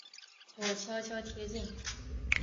我悄悄贴近